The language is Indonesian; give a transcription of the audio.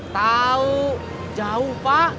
tau jauh pak